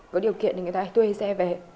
có điều kiện thì người ta hay tuê xe về